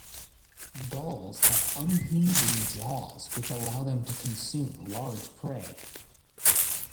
Gulls have unhinging jaws which allow them to consume large prey.